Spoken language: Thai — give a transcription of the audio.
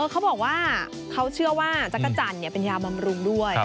เขาบอกว่าเขาเชื่อว่าจักรจันทร์เป็นยาบำรุงด้วย